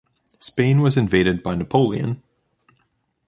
Spain was invaded by Napoleon.